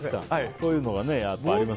こういうのがありますけど。